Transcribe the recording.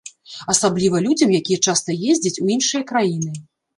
Асабліва людзям, якія часта ездзяць у іншыя краіны.